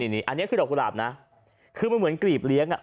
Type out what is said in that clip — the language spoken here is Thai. อันนี้คือดอกกุหลาบนะคือมันเหมือนกรีบเลี้ยง